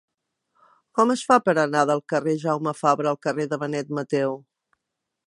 Com es fa per anar del carrer de Jaume Fabra al carrer de Benet Mateu?